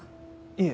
いえ。